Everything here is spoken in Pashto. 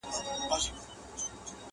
زما به پر قبر واښه وچ وي زه به تللی یمه؛